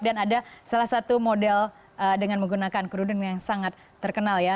dan ada salah satu model dengan menggunakan kerudung yang sangat terkenal ya